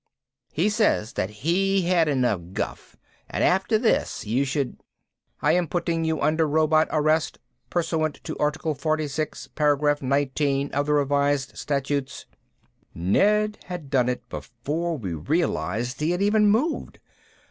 He says that he had enough guff and after this you should " "I am putting you under Robot Arrest, pursuant to article 46, paragraph 19 of the revised statutes ..." Ned had done it before we realized he had even moved.